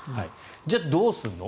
じゃあどうするの。